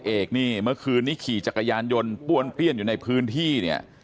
เอกนี่เมื่อคืนนี้ขี่จักรยานยนต์ป้วนเปี้ยนอยู่ในพื้นที่เนี่ย